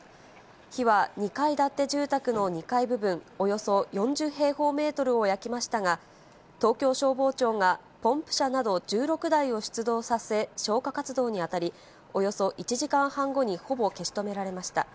火は２階建て住宅の２階部分およそ４０平方メートルを焼きましたが、東京消防庁がポンプ車など１６台を出動させ、消火活動に当たり、およそ１時間半後にほぼ消し止められました。